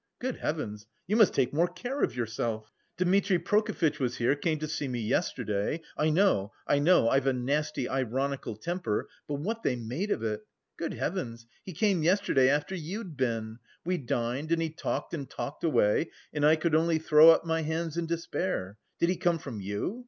"Good heavens, you must take more care of yourself! Dmitri Prokofitch was here, came to see me yesterday I know, I know, I've a nasty, ironical temper, but what they made of it!... Good heavens, he came yesterday after you'd been. We dined and he talked and talked away, and I could only throw up my hands in despair! Did he come from you?